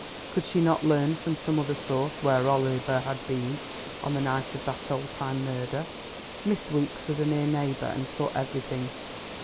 Could she not learn from some other source where Oliver had been on the night of that old time murder? Miss Weeks was a near neighbour and saw everything.